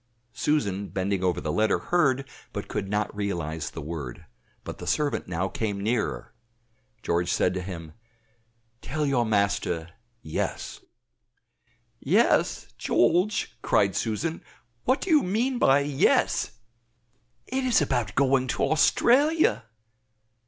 Susan, bending over the letter, heard, but could not realize the word, but the servant now came nearer. George said to him, "Tell your master, Yes." "Yes? George!" cried Susan, "what do you mean by yes? It is about going to Australia."